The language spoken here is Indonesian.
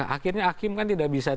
akhirnya hakim kan tidak bisa